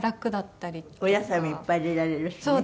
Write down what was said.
お野菜もいっぱい入れられるしね。